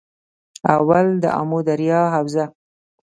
اول- دآمو دریا حوزه